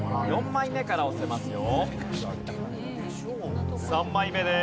４枚目から押せますよ。